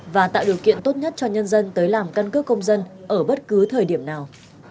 và tạo điều kiện tốt nhất cho nhân dân tới làm căn cước công dân ở bất cứ thời điểm nào